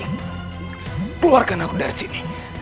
keluarkan aku dari sini